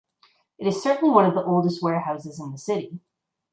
It is certainly one of the oldest warehouses in the city.